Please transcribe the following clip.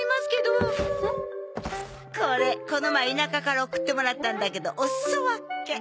これこの前田舎から送ってもらったんだけどおすそわけ。